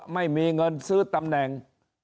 ไม่มีเงินซื้อตำแหน่ง